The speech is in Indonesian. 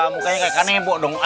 mukanya kayak kanebo dong